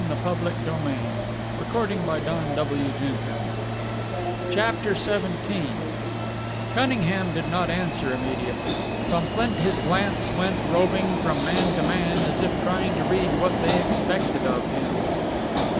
"And if I don't?" said Flint, his jaw jutting. CHAPTER XVII Cunningham did not answer immediately. From Flint his glance went roving from man to man, as if trying to read what they expected of him.